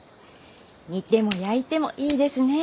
煮ても焼いてもいいですね！